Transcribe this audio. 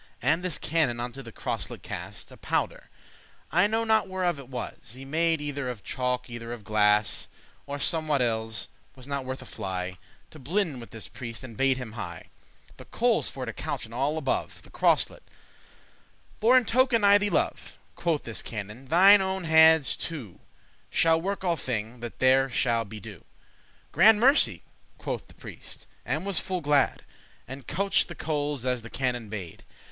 And this canon into the croslet cast A powder, I know not whereof it was Y made, either of chalk, either of glass, Or somewhat elles, was not worth a fly, To blinden* with this priest; and bade him hie *deceive make haste The coales for to couchen* all above lay in order The croslet; "for, in token I thee love," Quoth this canon, "thine owen handes two Shall work all thing that here shall be do'." *"Grand mercy,"* quoth the priest, and was full glad, *great thanks* And couch'd the coales as the canon bade.